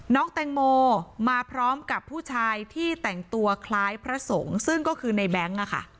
น้องแตงโมมาพร้อมกับผู้ชายที่แต่งตัวคล้ายพระสงฆ์ซึ่งก็คือในแบงค์